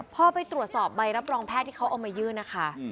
พอไปตรวจสอบใบรับรองแพทย์ที่เขาเอามายื่นนะคะ